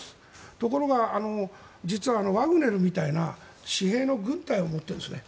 ところが、実はワグネルみたいな私兵の軍隊を持っているんですね。